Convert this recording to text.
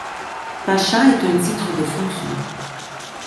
Pacha est un titre de fonction.